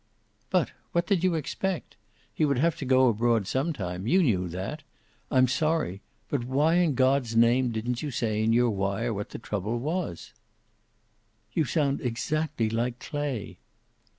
"But what did you expect? He would have to go abroad some time. You knew that. I'm sorry, but why in God's name didn't you say in your wire what the trouble was?" "You sound exactly like Clay."